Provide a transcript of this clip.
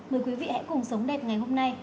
mời quý vị hãy cùng sống đẹp ngày hôm nay